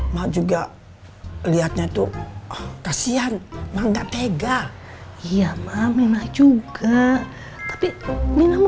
mah juga lihatnya tuh kasihan mbak tega iya mami mah juga tapi minum